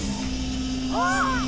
あっ！